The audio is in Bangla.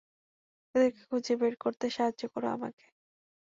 এদেরকে খুঁজে বের করতে সাহায্য করো আমাকে।